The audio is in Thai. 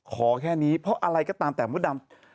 ขอแค่นี้เพราะอะไรก็ตามแต่มดดำ